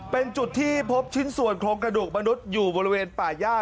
เป็นจุดที่พบชิ้นส่วนโครงกระดูกมนุษย์อยู่บริเวณป่าย่า